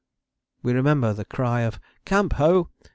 We remember the cry of _Camp Ho!